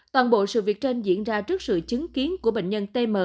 toàn bộ sự việc trên diễn ra trước sự chứng kiến của bệnh nhân tm